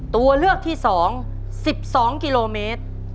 ตัวเลือกที่๒๑๒กิโลเมตร